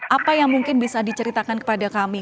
apa yang mungkin bisa diceritakan kepada kami